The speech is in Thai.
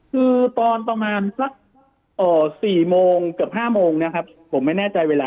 คือตอนประมาณสัก๔๕โมงนะครับผมไม่แน่ใจเวลา